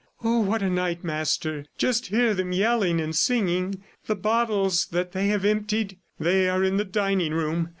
"Oh, what a night, Master! Just hear them yelling and singing! The bottles that they have emptied! ... They are in the dining room.